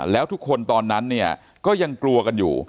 แล้วทุกคนตอนนั้นเนี่ยก็ยังกลัวกันอยู่